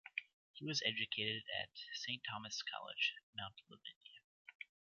He was educated at S. Thomas' College, Mount Lavinia.